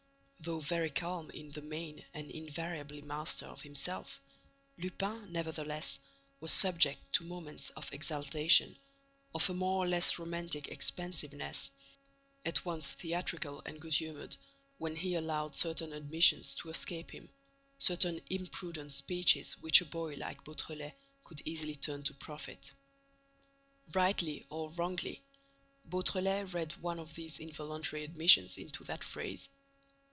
Though very calm in the main and invariably master of himself, Lupin, nevertheless, was subject to moments of exaltation, of a more or less romantic expansiveness, at once theatrical and good humored, when he allowed certain admissions to escape him, certain imprudent speeches which a boy like Beautrelet could easily turn to profit. Rightly or wrongly, Beautrelet read one of these involuntary admissions into that phrase.